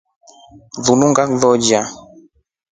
Linu ngakuloleya.